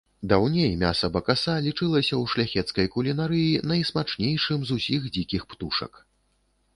Даўней мяса бакаса лічылася ў шляхецкай кулінарыі найсмачнейшым з усіх дзікіх птушак.